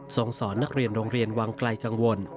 สอนสอนนักเรียนโรงเรียนวังไกลกังวล